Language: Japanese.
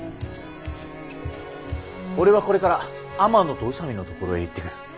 俺はこれから天野と宇佐美のところへ行ってくる。